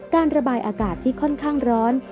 การระบายอากาศที่ค่อนข้างร้อน